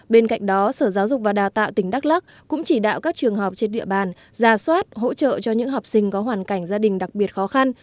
bên cạnh đó sở giáo dục và đào tạo tỉnh đắk lắc cũng chỉ đạo các trường học trên địa bàn ra soát hỗ trợ cho những học sinh có hoàn cảnh gia đình đặc biệt khó khăn